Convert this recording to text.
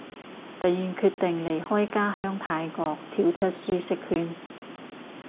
突然決定離開家鄉泰國，跳出舒適圈